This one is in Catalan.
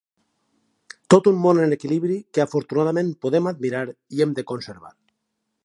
Tot un món en equilibri que afortunadament podem admirar i hem de conservar.